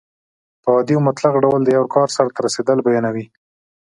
په عادي او مطلق ډول د یو کار سرته رسېدل بیانیوي.